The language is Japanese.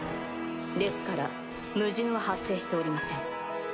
ですから矛盾は発生しておりません。